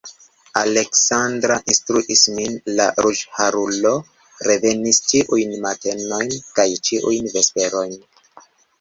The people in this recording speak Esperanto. Aleksandra instruis min, la ruĝharulo revenis ĉiujn matenojn kaj ĉiujn vesperojn.